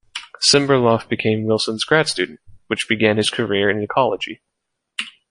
Simberloff became Wilson's grad student, which began his career in ecology.